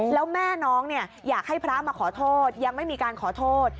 แล้วแม่น้องอยากให้พระมาขอโทษยังไม่มีการขอโทษ